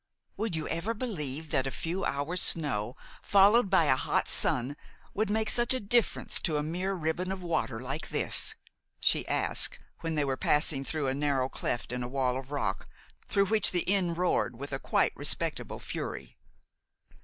"Would you ever believe that a few hours' snow, followed by a hot sun, would make such a difference to a mere ribbon of water like this?" she asked, when they were passing through a narrow cleft in a wall of rock through which the Inn roared with a quite respectable fury.